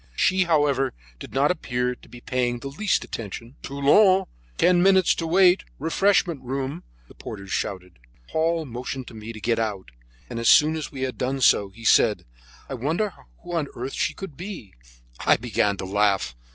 She, however, did not appear to be paying the least attention. "Toulon! Ten minutes to wait! Refreshment room!" the porters shouted. Paul motioned to me to get out, and as soon as we had done so, he said: "I wonder who on earth she can be?" I began to laugh.